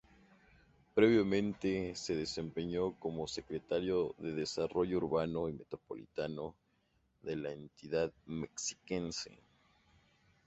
Previamente, se desempeñó como Secretario de Desarrollo Urbano y Metropolitano de la entidad mexiquense.